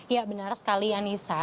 ya benar sekali yanisa